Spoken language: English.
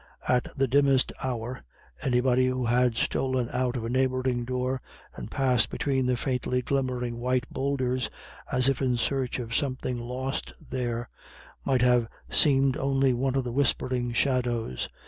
At the dimmest hour anybody who had stolen out of a neighbouring door, and passed between the faintly glimmering white boulders, as if in search of something lost there, might have seemed only one of the whispering shadows.